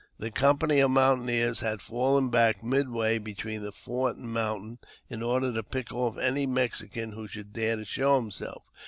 The company of mountaineers had fallen back midway between the fort and mountain, in order to pick off any Mexican who should dare to show himself.